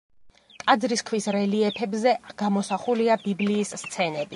ტაძრის ქვის რელიეფებზე გამოსახულია ბიბლიის სცენები.